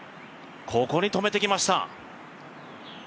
ここに止めてきました。